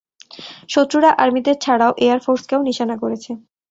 শত্রুরা আর্মিদের ছাড়াও এয়ারফোর্সকেও নিশানা করেছে!